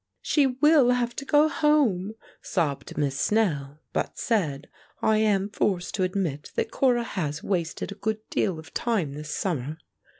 "She will have to go home," sobbed Miss Snell, but said: "I am forced to admit that Cora has wasted a good deal of time this summer.